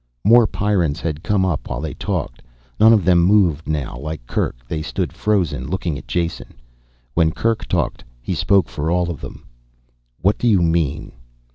More Pyrrans had come up while they talked. None of them moved now. Like Kerk, they stood frozen, looking at Jason. When Kerk talked, he spoke for all of them. "_What do you mean?